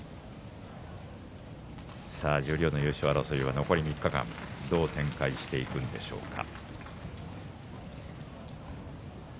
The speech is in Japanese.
十両の優勝争いは残り３日間どう展開していくんでしょうか。